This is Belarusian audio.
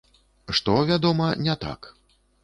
Што, вядома, не так.